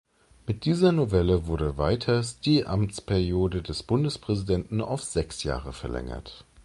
Mit dieser Novelle wurde weiters die Amtsperiode des Bundespräsidenten auf sechs Jahre verlängert.